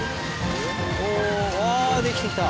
ああできてきた！